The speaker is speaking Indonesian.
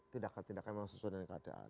tindakan tindakan yang sesuai dengan keadaan